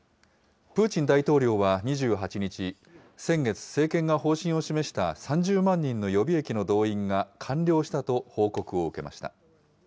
プーチン大統領は２８日、先月、政権が方針を示した３０万人の予備役の動員が完了したと報告を受けました。